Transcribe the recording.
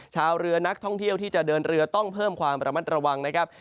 ชาวเรือนักท่องเที่ยวที่จะเดินเรือต้องเพิ่มความระมัดระวังนะครับ